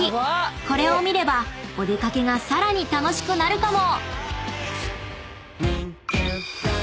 ［これを見ればお出掛けがさらに楽しくなるかも］